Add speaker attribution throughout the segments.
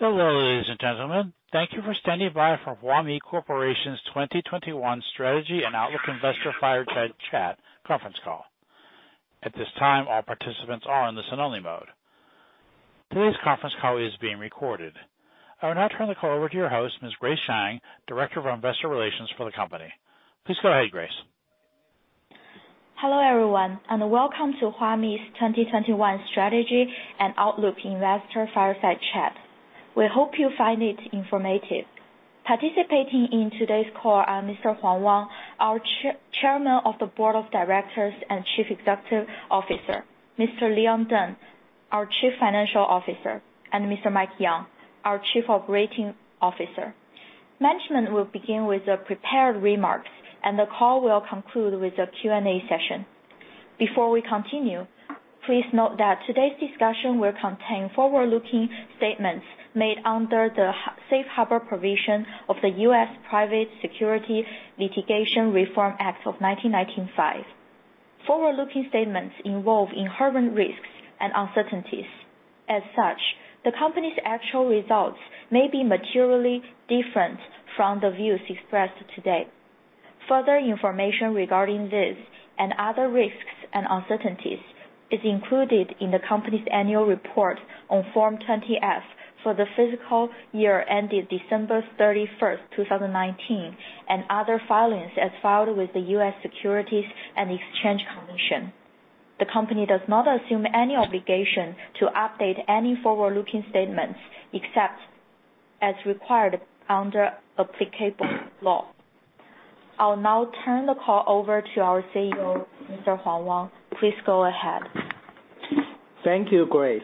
Speaker 1: Hello, ladies and gentlemen. Thank you for standing by for Huami Corporation's 2021 Strategy and Outlook Investor Fireside Chat Conference Call. At this time, all participants are in listen only mode. Today's conference call is being recorded. I will now turn the call over to your host, Ms. Grace Zhang, Director of Investor Relations for the company. Please go ahead, Grace.
Speaker 2: Hello, everyone, welcome to Huami's 2021 Strategy and Outlook Investor Fireside Chat. We hope you find it informative. Participating in today's call are Mr. Huang Wang, our Chairman of the Board of Directors and Chief Executive Officer, Mr. Leon Deng, our Chief Financial Officer, and Mr. Mike Yeung, our Chief Operating Officer. Management will begin with the prepared remarks, and the call will conclude with a Q&A session. Before we continue, please note that today's discussion will contain forward-looking statements made under the Safe Harbor provision of the U.S. Private Securities Litigation Reform Act of 1995. Forward-looking statements involve inherent risks and uncertainties. As such, the company's actual results may be materially different from the views expressed today. Further information regarding this and other risks and uncertainties is included in the company's annual report on Form 20-F for the fiscal year ending December 31st, 2019, and other filings as filed with the U.S. Securities and Exchange Commission. The company does not assume any obligation to update any forward-looking statements, except as required under applicable law. I'll now turn the call over to our CEO, Mr. Huang Wang. Please go ahead.
Speaker 3: Thank you, Grace.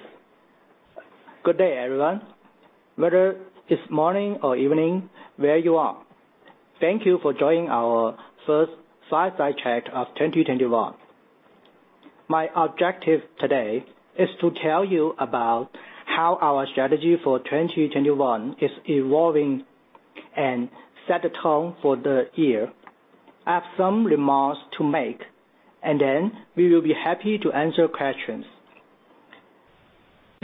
Speaker 3: Good day, everyone. Whether it's morning or evening where you are, thank you for joining our first fireside chat of 2021. My objective today is to tell you about how our strategy for 2021 is evolving and set the tone for the year. I have some remarks to make. Then we will be happy to answer questions.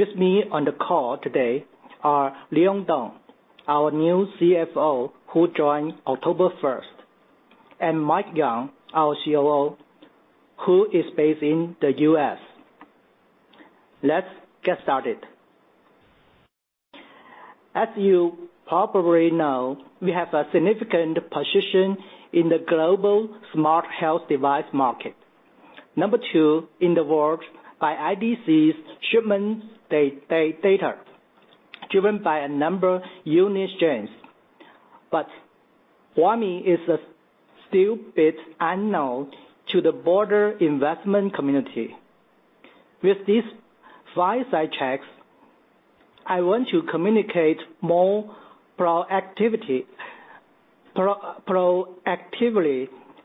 Speaker 3: With me on the call today are Leon Deng, our new CFO, who joined October 1st, and Mike Yeung, our COO, who is based in the U.S. Let's get started. As you probably know, we have a significant position in the global smart health device market. Number two in the world by IDC's shipments data, driven by a number of unique strengths. Huami is a still bit unknown to the broader investment community. With these fireside chats, I want to communicate more proactively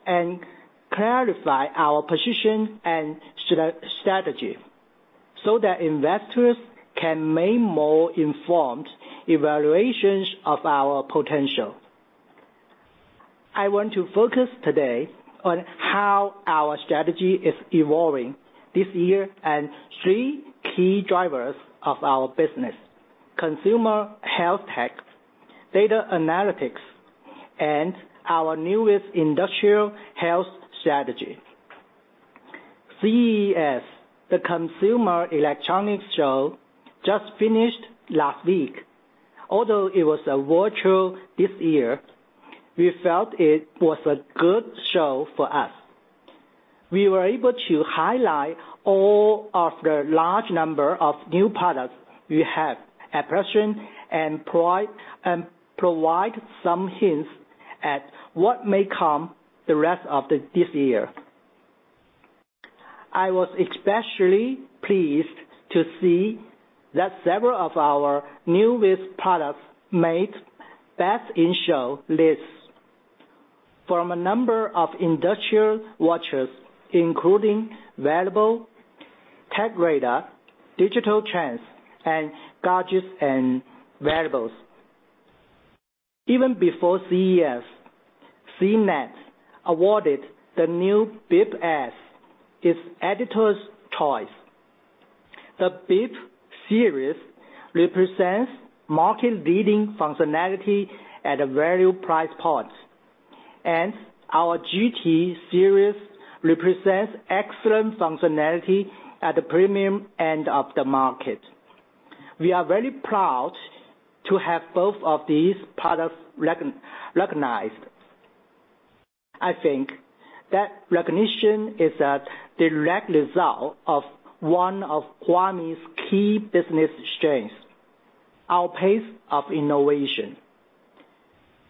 Speaker 3: and clarify our position and strategy, so that investors can make more informed evaluations of our potential. I want to focus today on how our strategy is evolving this year and three key drivers of our business, consumer health tech, data analytics, and our newest industrial health strategy. CES, the Consumer Electronics Show, just finished last week. Although it was virtual this year, we felt it was a good show for us. We were able to highlight all of the large number of new products we have at present and provide some hints at what may come the rest of this year. I was especially pleased to see that several of our newest products made best in show lists from a number of industrial watchers, including Wearable Tech Radar, Digital Trends, and Gadgets & Wearables. Even before CES, CNET awarded the new Bip S its Editors' Choice. The Bip series represents market-leading functionality at a very low price point, and our GTR series represents excellent functionality at the premium end of the market. We are very proud to have both of these products recognized. I think that recognition is a direct result of one of Huami's key business strengths, our pace of innovation.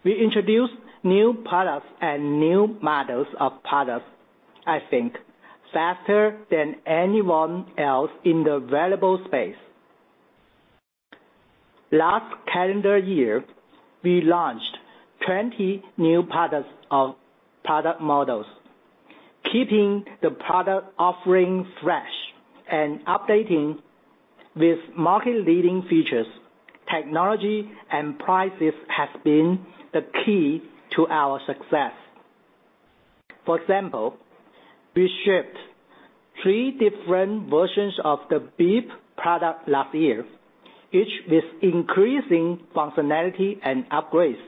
Speaker 3: We introduce new products and new models of products, I think, faster than anyone else in the wearable space. Last calendar year, we launched 20 new product models, keeping the product offering fresh and updating with market-leading features. Technology and prices has been the key to our success. For example, we shipped three different versions of the Bip product last year, each with increasing functionality and upgrades.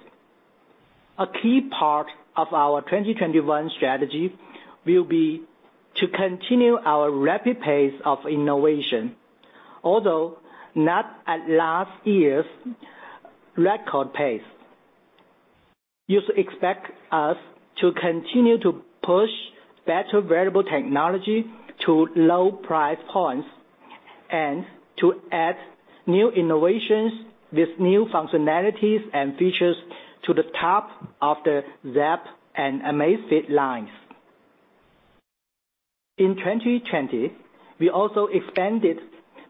Speaker 3: A key part of our 2021 strategy will be to continue our rapid pace of innovation, although not at last year's record pace. You should expect us to continue to push better wearable technology to low price points, and to add new innovations with new functionalities and features to the top of the Zepp and Amazfit lines. In 2020, we also expanded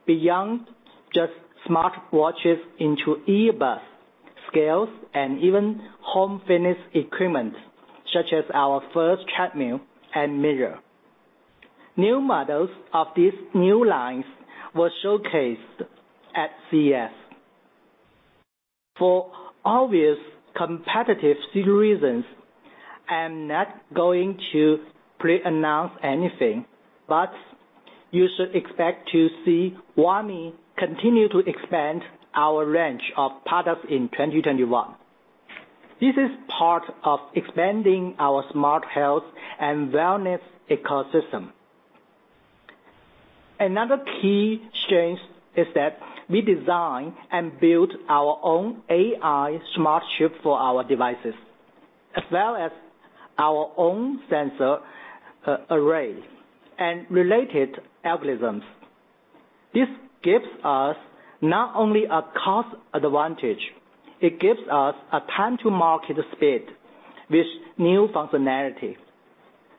Speaker 3: beyond just smartwatches into earbuds, scales, and even home fitness equipment, such as our first treadmill and mirror. New models of these new lines were showcased at CES. For obvious competitive reasons, I'm not going to pre-announce anything, but you should expect to see Huami continue to expand our range of products in 2021. This is part of expanding our smart health and wellness ecosystem. Another key strength is that we design and build our own AI smart chip for our devices, as well as our own sensor array and related algorithms. This gives us not only a cost advantage, it gives us a time to market speed with new functionality.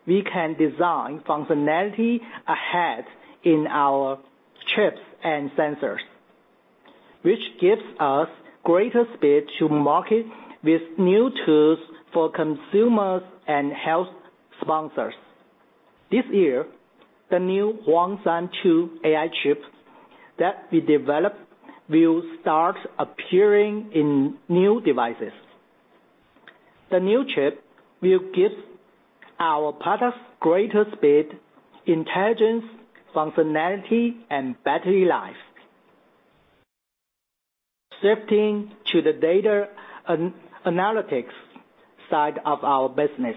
Speaker 3: We can design functionality ahead in our chips and sensors, which gives us greater speed to market with new tools for consumers and health sponsors. This year, the new Huangshan 2 AI chip that we developed will start appearing in new devices. The new chip will give our products greater speed, intelligence, functionality, and battery life. Shifting to the data analytics side of our business.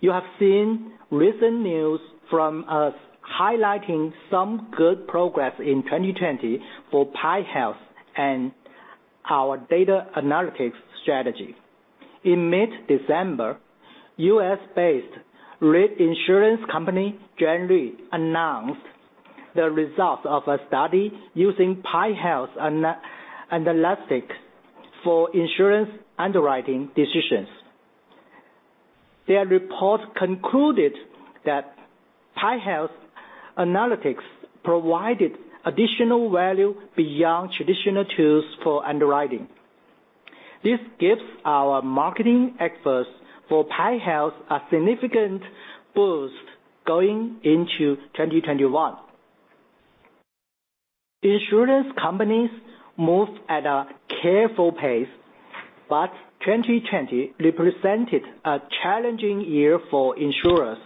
Speaker 3: You have seen recent news from us highlighting some good progress in 2020 for PAI Health and our data analytics strategy. In mid-December, U.S.-based reinsurance company Gen Re announced the results of a study using PAI Health analytics for insurance underwriting decisions. Their report concluded that PAI Health analytics provided additional value beyond traditional tools for underwriting. This gives our marketing efforts for PAI Health a significant boost going into 2021. Insurance companies move at a careful pace, but 2020 represented a challenging year for insurers,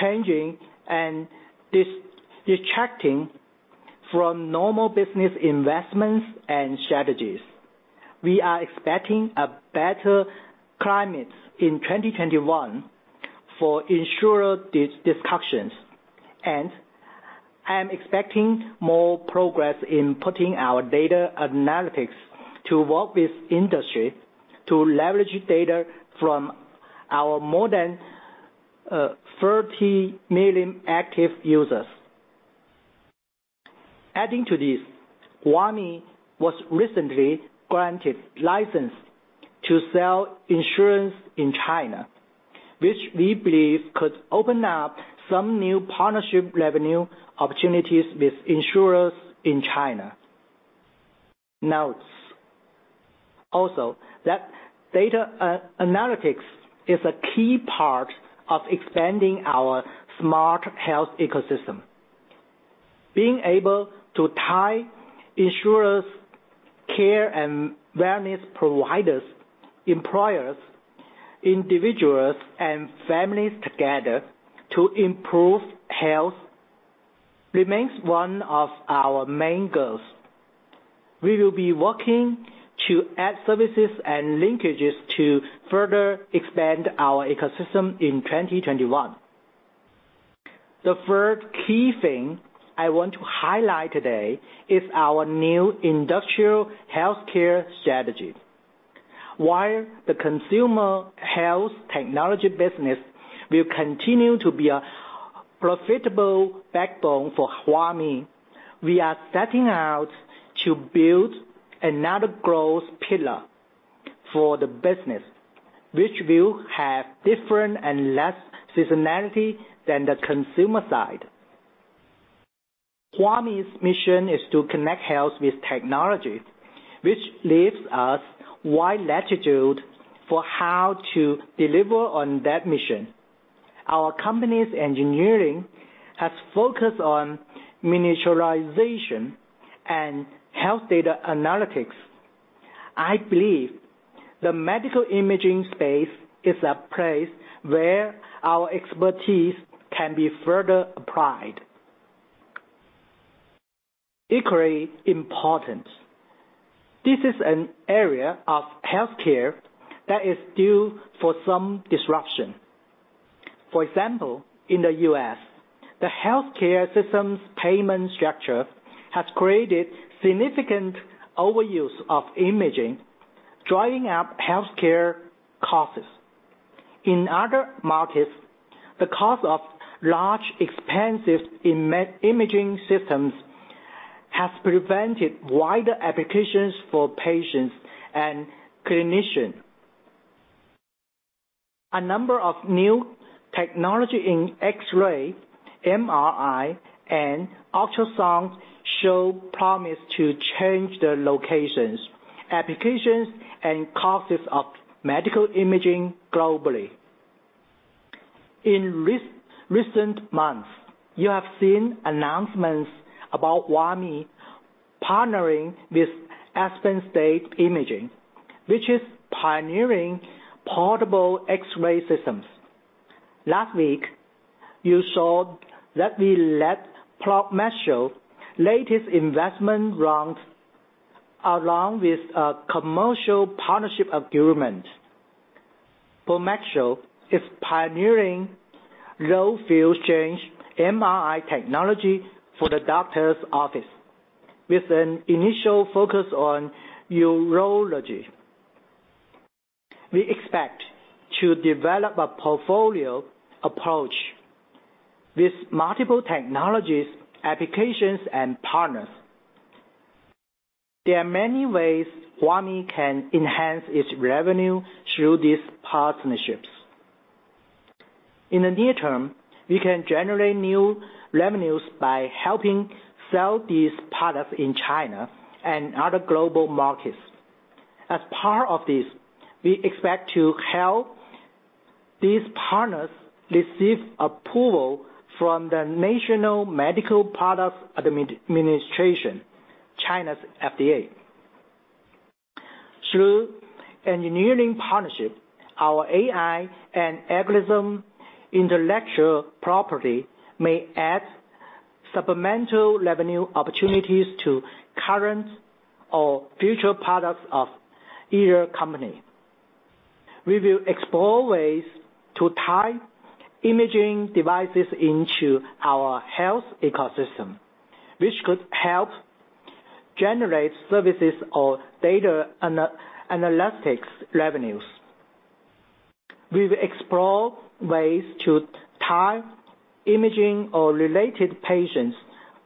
Speaker 3: changing and detracting from normal business investments and strategies. We are expecting a better climate in 2021 for insurer discussions, and I am expecting more progress in putting our data analytics to work with industry to leverage data from our more than 30 million active users. Adding to this, Huami was recently granted license to sell insurance in China, which we believe could open up some new partnership revenue opportunities with insurers in China. Note also that data analytics is a key part of expanding our smart health ecosystem. Being able to tie insurers, care, and wellness providers, employers, individuals, and families together to improve health remains one of our main goals. We will be working to add services and linkages to further expand our ecosystem in 2021. The third key thing I want to highlight today is our new industrial healthcare strategy. While the consumer health technology business will continue to be a profitable backbone for Huami, we are setting out to build another growth pillar for the business, which will have different and less seasonality than the consumer side. Huami's mission is to connect health with technology, which leaves us wide latitude for how to deliver on that mission. Our company's engineering has focused on miniaturization and health data analytics. I believe the medical imaging space is a place where our expertise can be further applied. Equally important, this is an area of healthcare that is due for some disruption. For example, in the U.S., the healthcare system's payment structure has created significant overuse of imaging, driving up healthcare costs. In other markets, the cost of large, expensive imaging systems has prevented wider applications for patients and clinicians. A number of new technology in X-ray, MRI, and ultrasound show promise to change the locations, applications, and costs of medical imaging globally. In recent months, you have seen announcements about Huami partnering with Aspen Imaging Healthcare, which is pioneering portable X-ray systems. Last week, you saw that we led Promaxo latest investment round, along with a commercial partnership agreement, Promaxo is pioneering low field strength MRI technology for the doctor's office with an initial focus on urology. We expect to develop a portfolio approach with multiple technologies, applications, and partners. There are many ways Huami can enhance its revenue through these partnerships. In the near term, we can generate new revenues by helping sell these products in China and other global markets. As part of this, we expect to help these partners receive approval from the National Medical Products Administration, China's FDA. Through engineering partnership, our AI and algorithm intellectual property may add supplemental revenue opportunities to current or future products of either company. We will explore ways to tie imaging devices into our health ecosystem, which could help generate services or data analytics revenues. We will explore ways to tie imaging or related patients'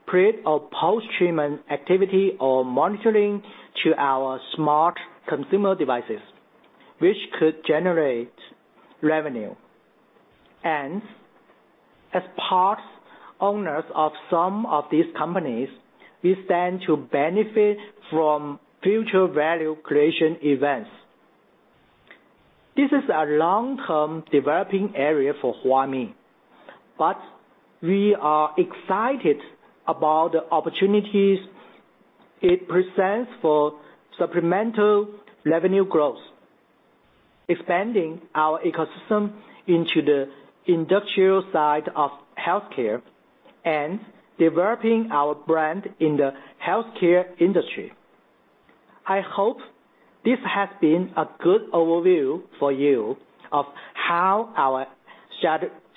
Speaker 3: pre or post-treatment activity or monitoring to our smart consumer devices, which could generate revenue. As part owners of some of these companies, we stand to benefit from future value creation events. This is a long-term developing area for Huami, but we are excited about the opportunities it presents for supplemental revenue growth, expanding our ecosystem into the industrial side of healthcare, and developing our brand in the healthcare industry. I hope this has been a good overview for you of how our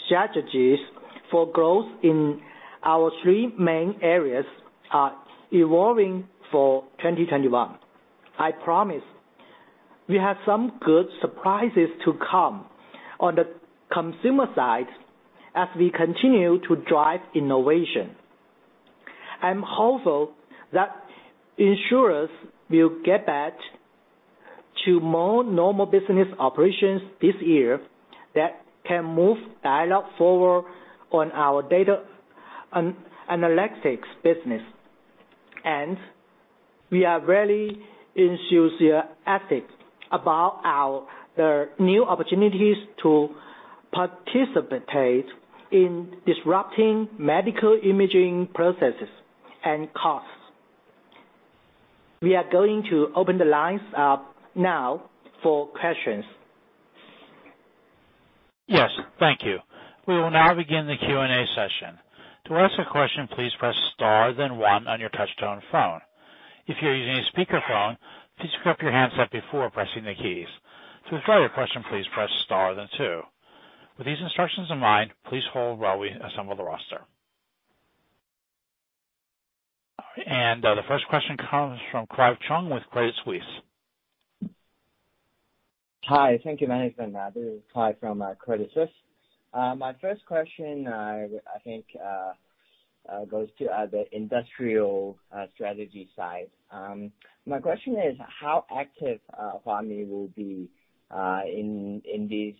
Speaker 3: strategies for growth in our three main areas are evolving for 2021. I promise we have some good surprises to come on the consumer side as we continue to drive innovation. I'm hopeful that insurers will get back to more normal business operations this year that can move dialogue forward on our data analytics business, and we are very enthusiastic about our new opportunities to participate in disrupting medical imaging processes and costs. We are going to open the lines up now for questions.
Speaker 1: Yes. Thank you. We will now begin the Q&A session. All right. The first question comes from Clive Cheung with Credit Suisse.
Speaker 4: Hi. Thank you very much. This is Clive from Credit Suisse. My first question, I think, goes to the industrial strategy side. My question is how active Huami will be in these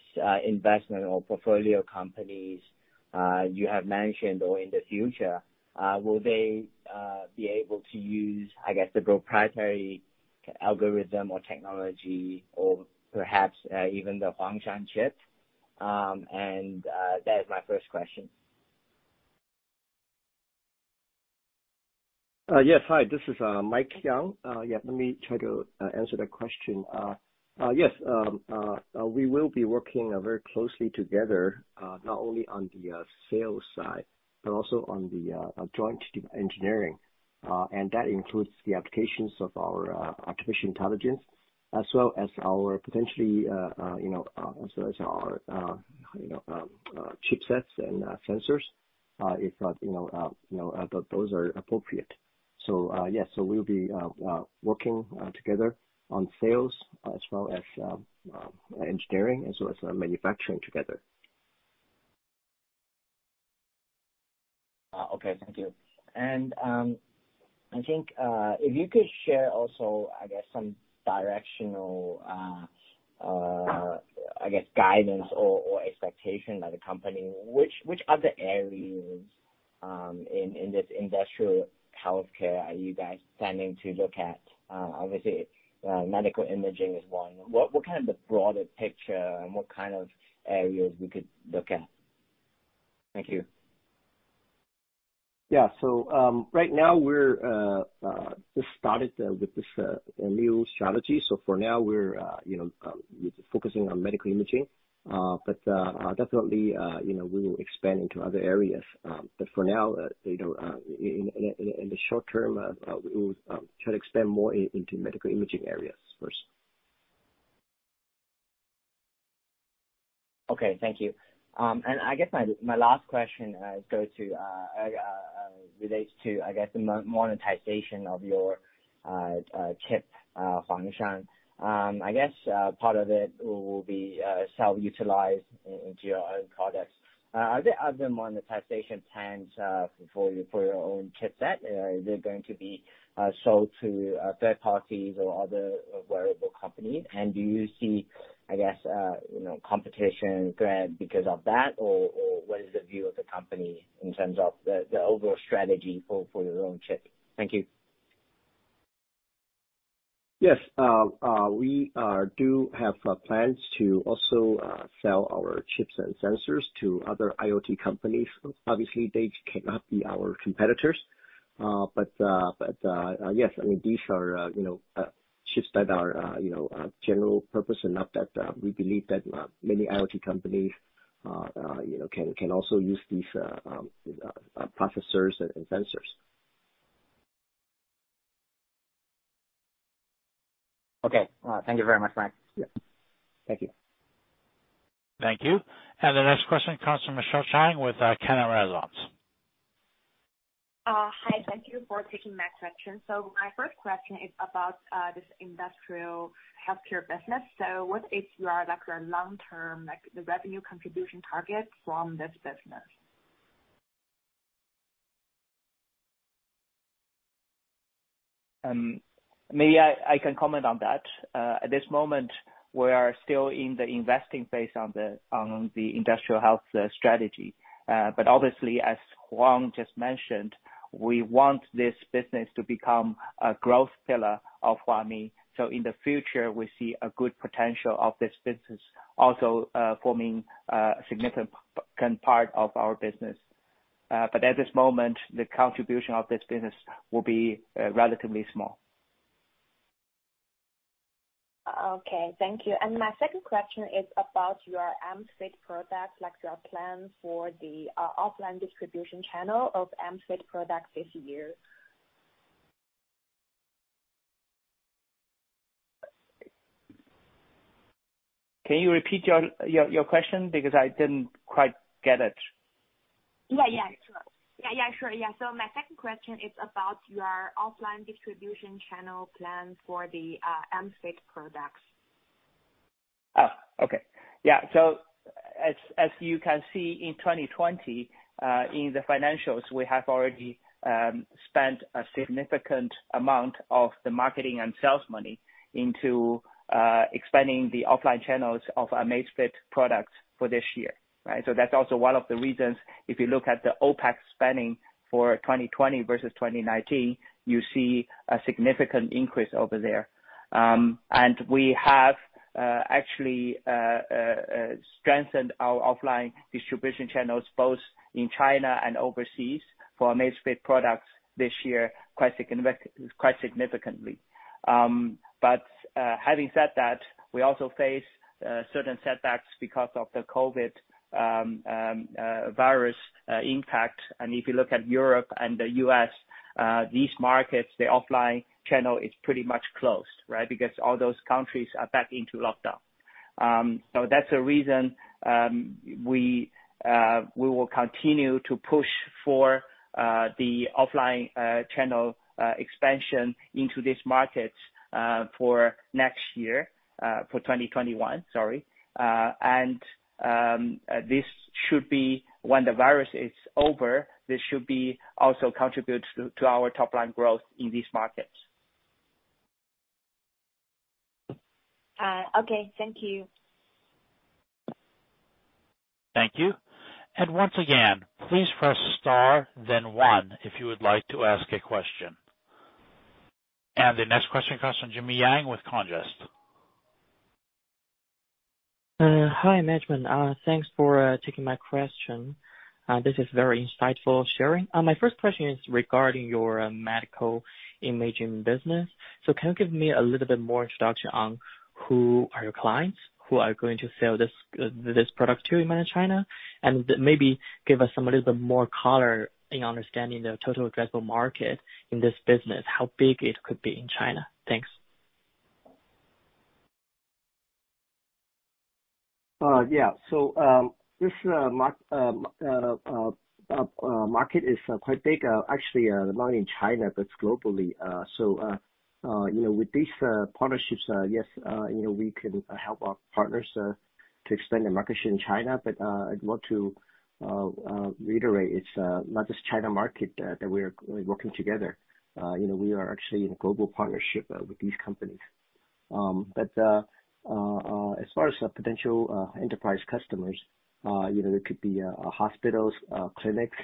Speaker 4: investment or portfolio companies you have mentioned, or in the future, will they be able to use the proprietary algorithm or technology or perhaps even the Huangshan chip? That is my first question.
Speaker 5: Yes. Hi, this is Mike Yeung. Let me try to answer that question. Yes. We will be working very closely together, not only on the sales side, but also on the joint engineering. That includes the applications of our artificial intelligence, as well as our chipsets and sensors, if those are appropriate. Yes, we'll be working together on sales as well as engineering, as well as manufacturing together.
Speaker 4: Okay, thank you. I think if you could share also some directional guidance or expectation that the company, which other areas in this industrial healthcare are you guys planning to look at? Obviously, medical imaging is one. What is the broader picture, and what kind of areas we could look at? Thank you.
Speaker 5: Yeah. Right now we just started with this new strategy. For now we're focusing on medical imaging. Definitely we will expand into other areas. For now, in the short term, we will try to expand more into medical imaging areas first.
Speaker 4: Okay, thank you. I guess my last question relates to the monetization of your chip, Huangshan. I guess part of it will be self-utilized into your own products. Are there other monetization plans for your own chipset? Is it going to be sold to third parties or other wearable companies? Do you see competition grow because of that, or what is the view of the company in terms of the overall strategy for your own chip? Thank you.
Speaker 5: Yes. We do have plans to also sell our chips and sensors to other IoT companies. Obviously, they cannot be our competitors. Yes, these are chips that are general purpose enough that we believe that many IoT companies can also use these processors and sensors.
Speaker 4: Okay. Thank you very much, Mike.
Speaker 5: Yeah.
Speaker 4: Thank you.
Speaker 1: Thank you. The next question comes from Michelle Chang with Cannon Results.
Speaker 6: Hi. Thank you for taking my question. My first question is about this industrial healthcare business. What is your long-term revenue contribution target from this business?
Speaker 7: Maybe I can comment on that. At this moment, we are still in the investing phase on the industrial health strategy. Obviously, as Huang just mentioned, we want this business to become a growth pillar of Huami. In the future, we see a good potential of this business also forming a significant part of our business. At this moment, the contribution of this business will be relatively small.
Speaker 6: Okay, thank you. My second question is about your Amazfit products. Your plan for the offline distribution channel of Amazfit products this year.
Speaker 7: Can you repeat your question? Because I didn't quite get it.
Speaker 6: Yeah, sure. My second question is about your offline distribution channel plan for the Amazfit products.
Speaker 7: Oh, okay. Yeah. As you can see in 2020, in the financials, we have already spent a significant amount of the marketing and sales money into expanding the offline channels of Amazfit products for this year. Right? That's also one of the reasons, if you look at the OPEX spending for 2020 versus 2019, you see a significant increase over there. We have actually strengthened our offline distribution channels both in China and overseas for Amazfit products this year, quite significantly. Having said that, we also face certain setbacks because of the COVID virus impact. If you look at Europe and the U.S., these markets, the offline channel is pretty much closed, right? Because all those countries are back into lockdown. That's the reason we will continue to push for the offline channel expansion into these markets for next year, for 2021, sorry. This should be when the virus is over, this should also contribute to our top-line growth in these markets.
Speaker 6: Okay. Thank you.
Speaker 1: Thank you. Once again, please press star then one if you would like to ask a question. The next question comes from Jimmy Yang with Comgest.
Speaker 8: Hi, management. Thanks for taking my question. This is very insightful sharing. My first question is regarding your medical imaging business. Can you give me a little bit more introduction on who are your clients, who are going to sell this product to in China? And maybe give us a little bit more color in understanding the total addressable market in this business, how big it could be in China. Thanks.
Speaker 5: Yeah. This market is quite big, actually, not in China, but globally. With these partnerships, yes, we can help our partners to extend their markets in China. I'd want to reiterate, it's not just China market that we are working together. We are actually in global partnership with these companies. As far as the potential enterprise customers, it could be hospitals, clinics,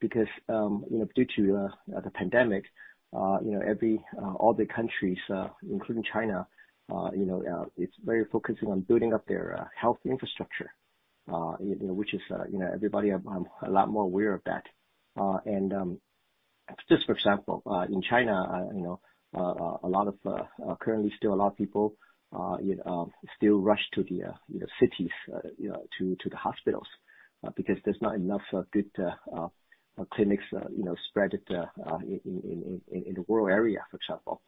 Speaker 5: because due to the pandemic, all the countries, including China, it's very focusing on building up their health infrastructure, everybody a lot more aware of that. Just for example, in China currently still a lot of people still rush to the cities, to the hospitals, because there's not enough good clinics spread in the rural area, for example.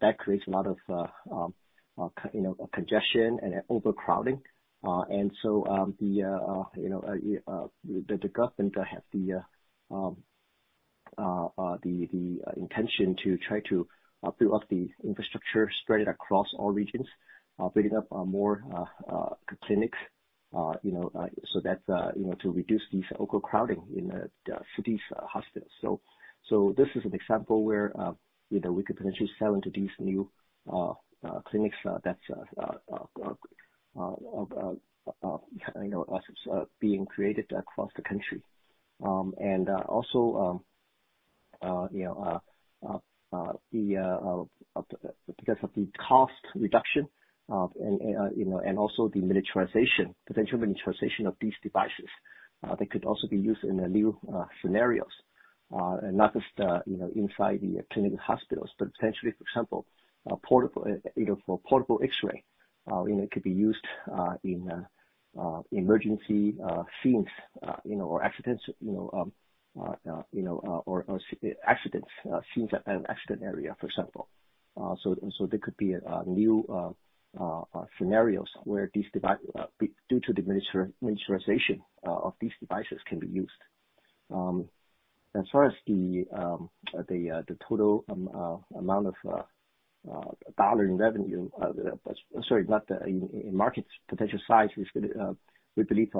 Speaker 5: That creates a lot of congestion and overcrowding. The government has the intention to try to build up the infrastructure spread across all regions, building up more clinics to reduce this overcrowding in the cities' hospitals. This is an example where we could potentially sell into these new clinics that's being created across the country. Because of the cost reduction and also the miniaturization, potential miniaturization of these devices, they could also be used in new scenarios. Not just inside the clinic hospitals, but potentially, for example, for portable X-ray, it could be used in emergency scenes or accident area, for example. There could be new scenarios where, due to the miniaturization of these devices, can be used. As far as the total amount of dollar in revenue, sorry, in market potential size, we believe,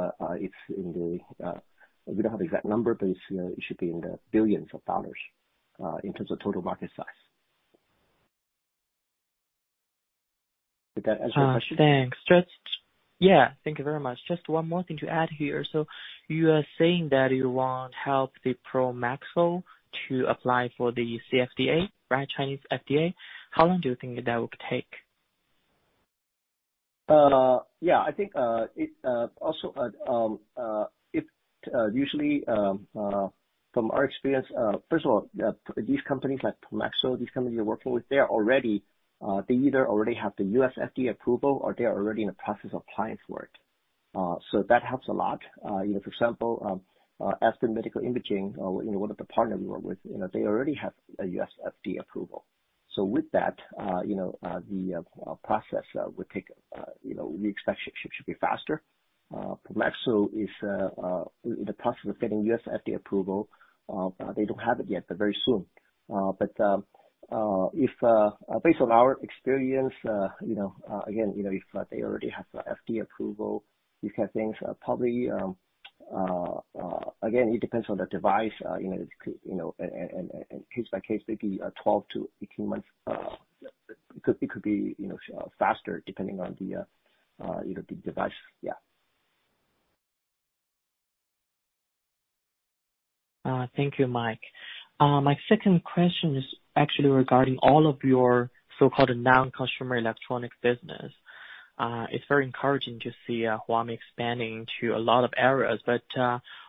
Speaker 5: we don't have exact number, but it should be in the $ billions, in terms of total market size. Did that answer your question?
Speaker 8: Thanks. Yeah. Thank you very much. Just one more thing to add here. You are saying that you want help the Promaxo to apply for the NMPA, right? Chinese FDA. How long do you think that would take?
Speaker 5: Yeah. I think, usually, from our experience, first of all, these companies like Promaxo, these companies you're working with, they either already have the U.S. FDA approval, or they are already in the process of applying for it. That helps a lot. For example, Aspen Imaging Healthcare, one of the partners we work with, they already have a U.S. FDA approval. With that, the process we expect should be faster. Promaxo is in the process of getting U.S. FDA approval. They don't have it yet, very soon. Based on our experience, again, if they already have the FDA approval, these kind of things probably, again, it depends on the device, and case by case, maybe 12-18 months. It could be faster depending on the device. Yeah.
Speaker 8: Thank you, Mike. My second question is actually regarding all of your so-called non-consumer electronic business. It's very encouraging to see Huami expanding to a lot of areas.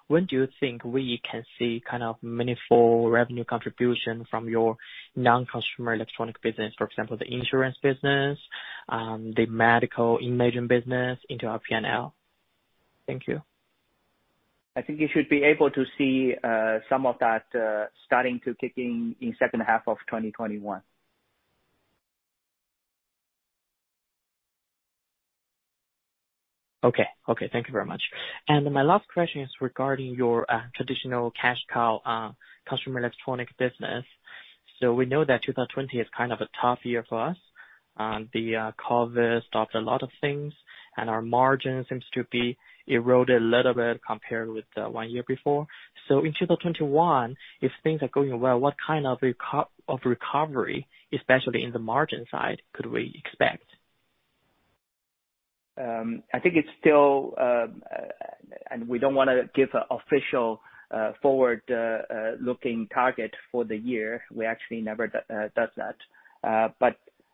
Speaker 8: When do you think we can see kind of meaningful revenue contribution from your non-consumer electronic business, for example, the insurance business, the medical imaging business into our P&L? Thank you.
Speaker 5: I think you should be able to see some of that starting to kick in in second half of 2021.
Speaker 8: Okay. Thank you very much. My last question is regarding your traditional cash cow consumer electronic business. We know that 2020 is kind of a tough year for us. The COVID stopped a lot of things, and our margin seems to be eroded a little bit compared with one year before. In 2021, if things are going well, what kind of recovery, especially in the margin side, could we expect?
Speaker 7: I think we don't want to give an official forward-looking target for the year. We actually never do that.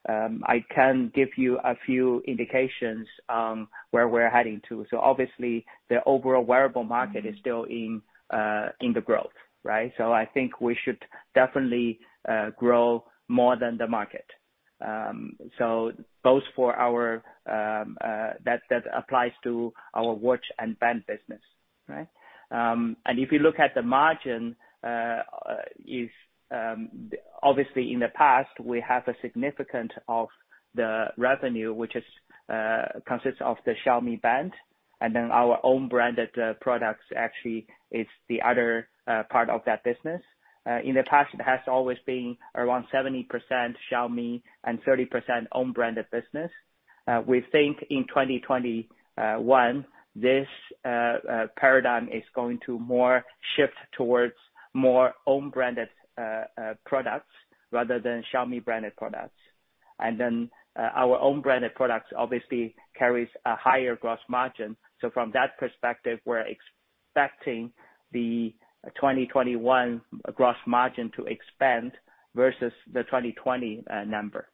Speaker 7: I can give you a few indications on where we're heading to. Obviously, the overall wearable market is still in the growth. I think we should definitely grow more than the market. That applies to our watch and band business. If you look at the margin, obviously in the past, we have a significant of the revenue, which consists of the Xiaomi Band, and then our own branded products actually is the other part of that business. In the past, it has always been around 70% Xiaomi and 30% own branded business. We think in 2021, this paradigm is going to more shift towards more own branded products rather than Xiaomi branded products. Our own branded products obviously carries a higher gross margin. From that perspective, we're expecting the 2021 gross margin to expand versus the 2020 number.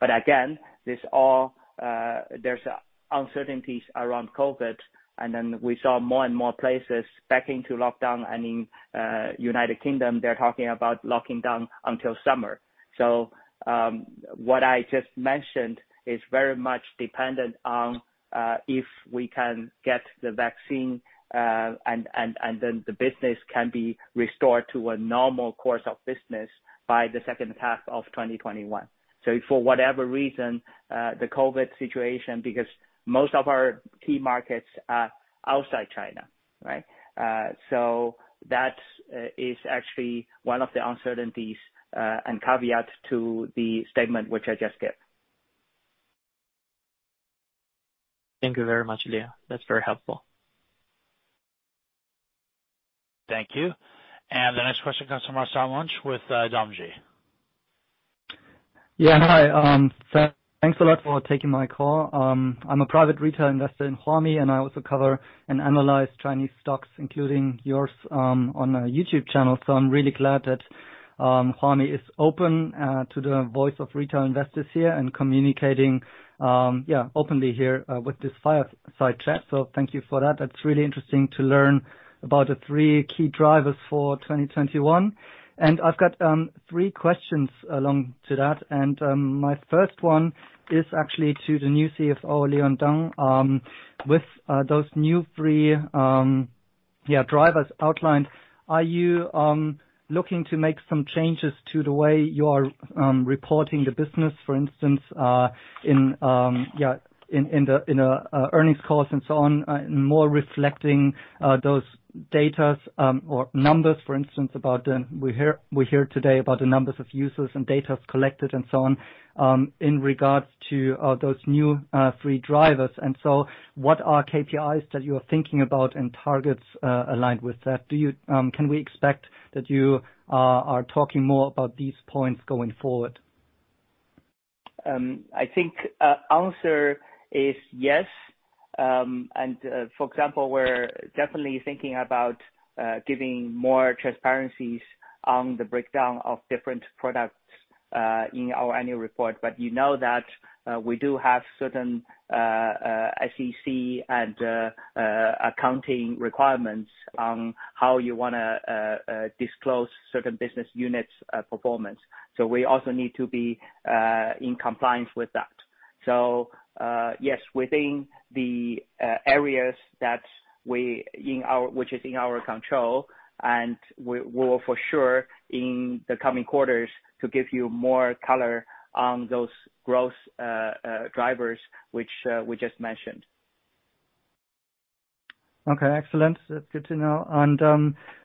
Speaker 7: Again, there's uncertainties around COVID, and then we saw more and more places backing to lockdown. In United Kingdom, they're talking about locking down until summer. What I just mentioned is very much dependent on if we can get the vaccine, and then the business can be restored to a normal course of business by the second half of 2021. For whatever reason, the COVID situation, because most of our key markets are outside China. That is actually one of the uncertainties and caveats to the statement which I just gave.
Speaker 8: Thank you very much, Leon. That's very helpful.
Speaker 1: Thank you. The next question comes from Tristan Munch with Domji.
Speaker 9: Yeah. Hi. Thanks a lot for taking my call. I'm a private retail investor in Huami, and I also cover and analyze Chinese stocks, including yours, on a YouTube channel. I'm really glad that Huami is open to the voice of retail investors here and communicating openly here with this fireside chat. Thank you for that. It's really interesting to learn about the three key drivers for 2021. I've got three questions along to that. My first one is actually to the new CFO, Leon Deng. With those new three drivers outlined, are you looking to make some changes to the way you are reporting the business, for instance, in the earnings calls and so on, more reflecting those data or numbers, for instance, we hear today about the numbers of users and data collected and so on, in regards to those new three drivers. What are KPIs that you are thinking about and targets aligned with that? Can we expect that you are talking more about these points going forward?
Speaker 7: I think answer is yes. For example, we're definitely thinking about giving more transparencies on the breakdown of different products in our annual report. You know that we do have certain SEC and accounting requirements on how you want to disclose certain business units performance. We also need to be in compliance with that. Yes, within the areas which is in our control, and we will for sure in the coming quarters to give you more color on those growth drivers which we just mentioned.
Speaker 9: Okay, excellent. That's good to know.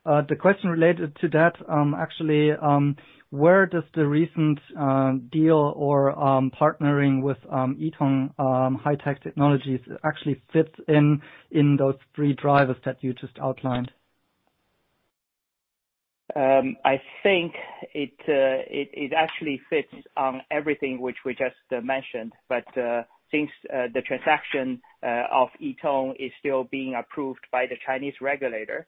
Speaker 9: The question related to that, actually, where does the recent deal or partnering with Yitong High-Tech technologies actually fits in those three drivers that you just outlined?
Speaker 7: I think it actually fits on everything which we just mentioned. Since the transaction of Yitong is still being approved by the Chinese regulator,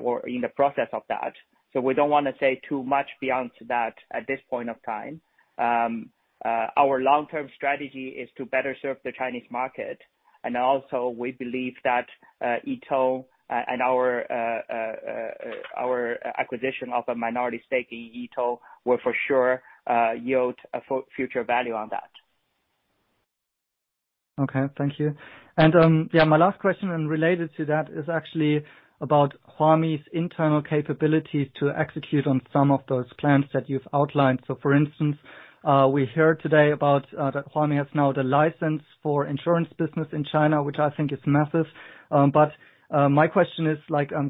Speaker 7: or in the process of that, we don't want to say too much beyond that at this point of time. Our long-term strategy is to better serve the Chinese market. We believe that Yitong and our acquisition of a minority stake in Yitong will for sure yield future value on that.
Speaker 9: Okay, thank you. My last question, and related to that, is actually about Huami's internal capabilities to execute on some of those plans that you've outlined. For instance, we heard today about that Huami has now the license for insurance business in China, which I think is massive. My question is,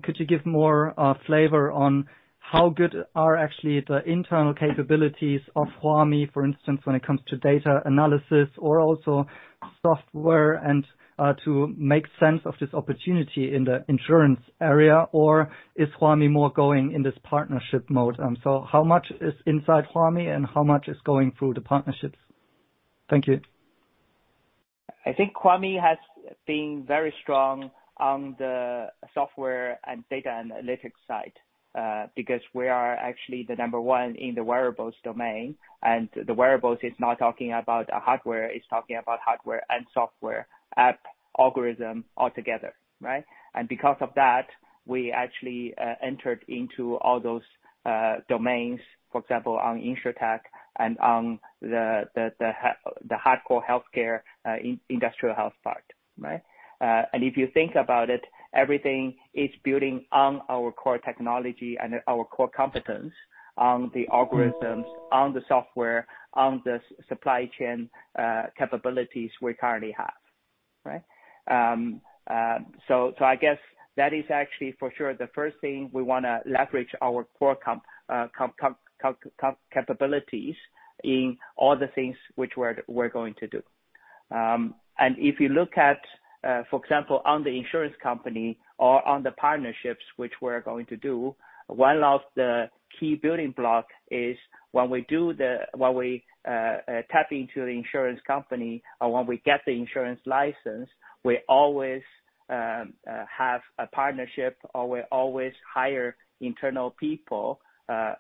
Speaker 9: could you give more flavor on how good are actually the internal capabilities of Huami, for instance, when it comes to data analysis or also software and to make sense of this opportunity in the insurance area? Is Huami more going in this partnership mode? How much is inside Huami and how much is going through the partnerships? Thank you.
Speaker 7: I think Huami has been very strong on the software and data analytics side, because we are actually the number one in the wearables domain, and the wearables is not talking about hardware, it's talking about hardware and software, app, algorithm altogether. Right? Because of that, we actually entered into all those domains, for example, on Insurtech and on the hardcore healthcare industrial health part. Right? If you think about it, everything is building on our core technology and our core competence on the algorithms, on the software, on the supply chain capabilities we currently have. Right? I guess that is actually for sure the first thing we want to leverage our core capabilities in all the things which we're going to do. If you look at, for example, on the insurance company or on the partnerships which we're going to do, one of the key building block is when we tap into the insurance company or when we get the insurance license, we always have a partnership, or we always hire internal people, or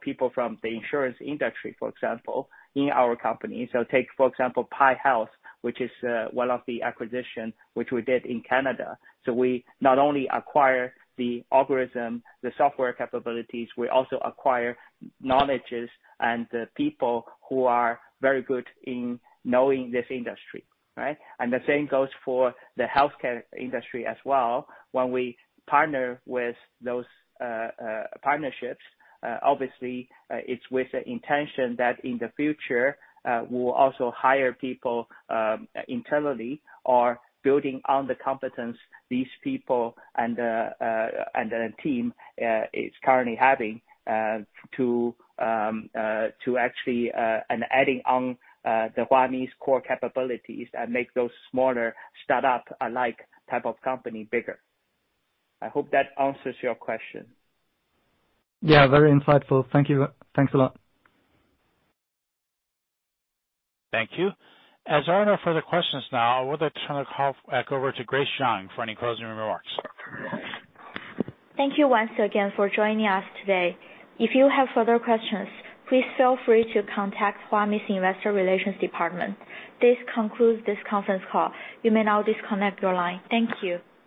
Speaker 7: people from the insurance industry, for example, in our company. Take, for example, PAI Health, which is one of the acquisition which we did in Canada. We not only acquire the algorithm, the software capabilities, we also acquire knowledge and the people who are very good in knowing this industry. Right? The same goes for the healthcare industry as well. When we partner with those partnerships, obviously, it's with the intention that in the future, we'll also hire people internally or building on the competence these people and the team is currently having, and adding on the Huami's core capabilities and make those smaller startup alike type of company bigger. I hope that answers your question.
Speaker 9: Yeah. Very insightful. Thank you. Thanks a lot.
Speaker 1: Thank you. As there are no further questions now, I would like to turn the call back over to Grace Zhang for any closing remarks.
Speaker 2: Thank you once again for joining us today. If you have further questions, please feel free to contact Huami's Investor Relations department. This concludes this conference call. You may now disconnect your line. Thank you.